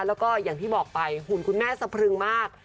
แล้วก็อย่างที่บอกไปหุ่นคุณแม่สะพรึงมาก